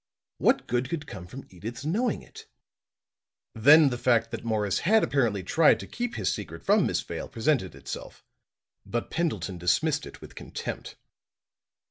What good could come from Edyth's knowing it?" Then the fact that Morris had apparently tried to keep his secret from Miss Vale presented itself. But Pendleton dismissed it with contempt.